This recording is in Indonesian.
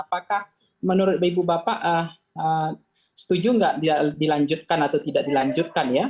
apakah menurut ibu bapak setuju nggak dilanjutkan atau tidak dilanjutkan ya